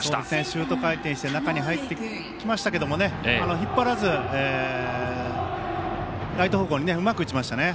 シュート回転して中に入ってきましたけども引っ張らず、ライト方向にうまく打ちましたよね。